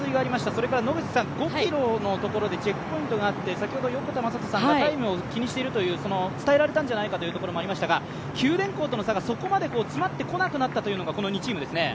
それから５ｋｍのところでチェックポイントがあって先ほど横田真人さんがタイムを気にしている、伝えられたんじゃないかということがありましたが、九電工との差がそこまで詰まってこなかったというのがこの２チームですね。